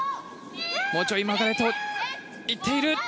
いっている！